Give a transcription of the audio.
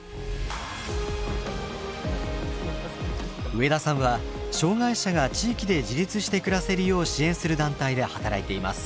植田さんは障害者が地域で自立して暮らせるよう支援する団体で働いています。